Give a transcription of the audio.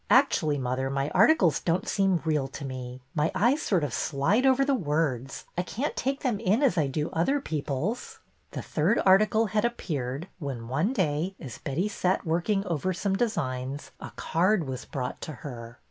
Actually, mother, my articles don't seem real to me. My eyes sort of slide over the words. I can't take them in as I do other people's." The third article had appeared when, one day, as Betty sat working over some designs, a card was brought to her.